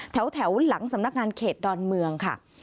แถวหลังสำนักงานเขตดอนเมืองค่ะ